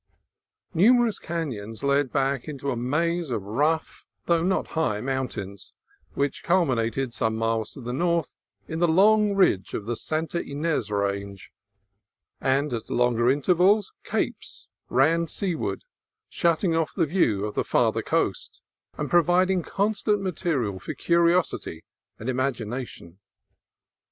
Numerous canons led back into a maze of rough though not high mountains, which culminated some miles to the north in the long ridge of the Santa Ynez Range ; and at longer intervals capes ran sea ward, shutting off the view of the farther coast, and providing constant material for curiosity and imagination.